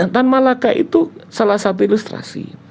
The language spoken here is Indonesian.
tan malaka itu salah satu ilustrasi